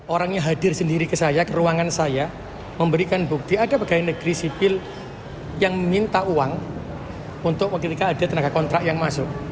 orangnya hadir sendiri ke saya ke ruangan saya memberikan bukti ada pegawai negeri sipil yang meminta uang untuk ketika ada tenaga kontrak yang masuk